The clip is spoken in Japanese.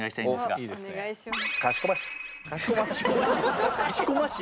かしこまし？